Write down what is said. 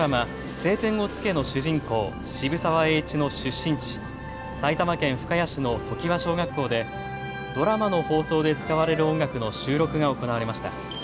青天を衝けの主人公、渋沢栄一の出身地、埼玉県深谷市の常盤小学校でドラマの放送で使われる音楽の収録が行われました。